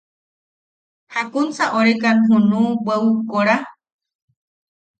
¿Jakunsa orekan junu bweʼu kora?